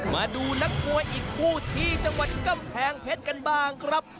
มาดูนักมวยอีกคู่ที่จังหวัดกำแพงเพชรกันบ้างครับ